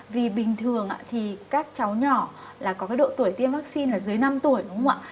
vì bình thường thì các cháu nhỏ là có độ tuổi tiêm vắc xin là dưới năm tuổi đúng không ạ